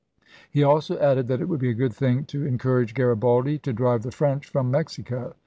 He also added that it would be a good thing to en LincoS courage Garibaldi to drive the French from Mexico.